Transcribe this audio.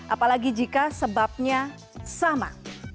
apalagi jika sebabnya sama